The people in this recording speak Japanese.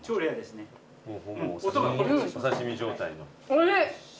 おいしい！